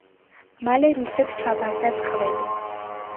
მალე რუსებს ჩაბარდა ტყვედ.